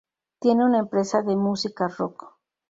Tiene una empresa de música rock.